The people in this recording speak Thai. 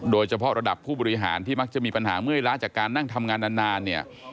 โดยเฉพาะระดับผู้บริหารที่มักจะมีปัญหาเมื่อยล้าจากการนั่งทำงานนานเนี่ย